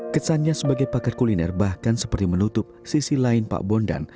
kesannya sebagai pakar kuliner bahkan seperti menutup sisi lain pak bondan